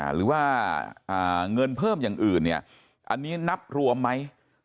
หรือว่าเงินเพิ่มอย่างอื่นเนี่ยอันนี้นับรวมไหม